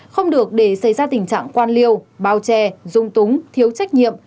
không được để xảy ra tình trạng quan liêu bao che dung túng thiếu trách nhiệm